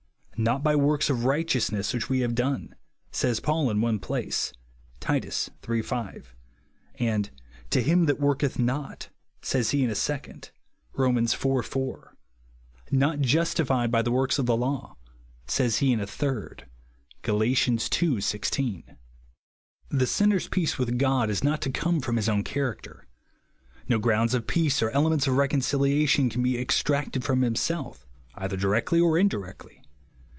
" Not .by works of righteousness which we have done," says Paul in one place (Titus iii. 5), and " to liim that worketh not, says he in a second (Rom. iv. 4) ; "not justified by ] C) man's own character the works of tie law," says lie in a tliiid (G tl. ii. 16). The sinner's peace with God is not to come from his own character. No i^ounds of peace or elements of reconciliation can Ue extracted from himself, either directly or indirectly.